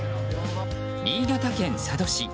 新潟県佐渡市。